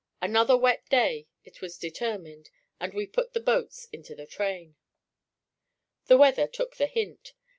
Another wet day, it was determined, and we put the boats into the train. The weather took the hint.